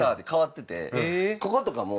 こことかも。